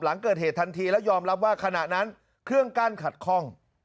หลังเกิดเหตุทันทีและยอมรับว่าขณะนั้นเครื่องกั้นขัดคล่อง